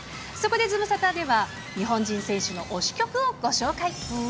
そこでズムサタでは、日本人選手の推し曲をご紹介。